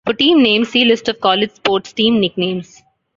For team names, see List of college sports team nicknames.